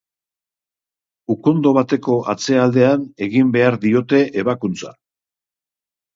Ukondo bateko atzealdean egin behar diote ebakuntza.